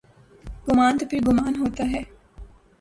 گمان تو پھرگمان ہوتا ہے۔